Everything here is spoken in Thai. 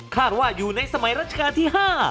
ว่าอยู่ในสมัยรัชกาลที่๕